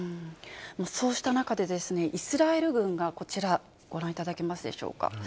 そうした中でイスラエル軍がこちら、ご覧いただけますでしょうか。